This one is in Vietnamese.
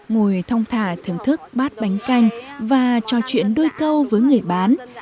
ngồi thông thả thưởng thức bát bánh canh và trò chuyện đôi câu với người bán